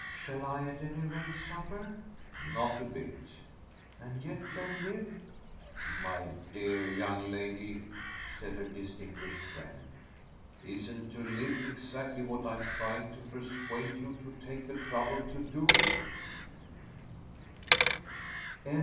Shall I at any rate suffer?" "Not a bit." "And yet then live?" "My dear young lady," said her distinguished friend, "isn't to 'live' exactly what I'm trying to persuade you to take the trouble to do?"